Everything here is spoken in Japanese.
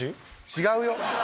違うよ。